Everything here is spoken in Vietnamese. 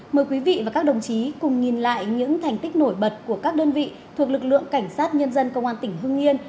mời quý vị và các đồng chí cùng nhìn lại những thành tích nổi bật của các đơn vị thuộc lực lượng cảnh sát nhân dân công an tỉnh hưng yên